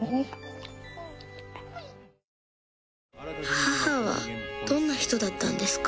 母はどんな人だったんですか？